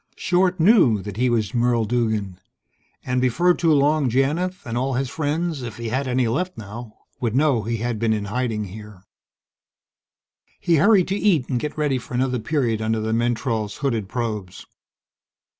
Short knew that he was Merle Duggan, and before too long Janith, and all his friends if he had any left now would know he had been in hiding here. He hurried to eat and get ready for another period under the mentrol's hooded probes.